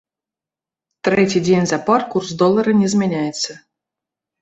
Трэці дзень запар курс долара не змяняецца.